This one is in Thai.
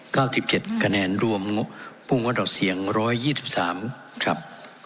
เก้าสิบเจ็ดคะแนนรวมพุ่งงดออกเสียงร้อยยี่สิบสามครับ